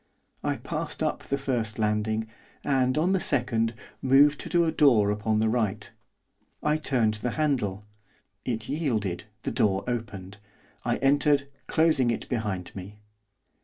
I passed up the first landing, and, on the second, moved to a door upon the right. I turned the handle, it yielded, the door opened, I entered, closing it behind me.